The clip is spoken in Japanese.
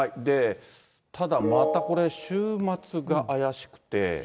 ただ、またこれ、週末が怪しくて。